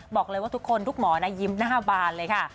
บอกเลยว่าทุกคนทุกหมอนะยิ้มหน้าบานเลยค่ะ